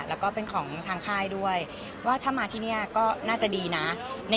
แล้วก็เป็นของทางค่ายด้วยว่าถ้ามาที่นี่ก็น่าจะดีนะ